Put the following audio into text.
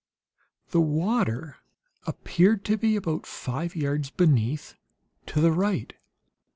The water appeared to be about five yards beneath, to the right.